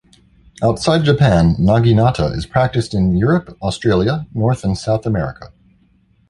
Outside Japan naginata is practiced in Europe, Australia, North and South America.